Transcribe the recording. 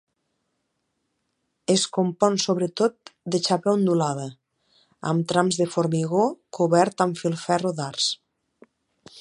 Es compon sobretot de xapa ondulada, amb trams de formigó cobert amb filferro d'arç.